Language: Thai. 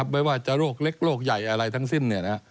ไม่ว่าจะโรคเล็กโรคใหญ่อะไรทั้งสิ้น